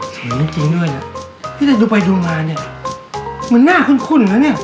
แสดงจริงด้วยละดูไปดูมาเหมือนหน้าคุ้นคุ้นละเนี่ย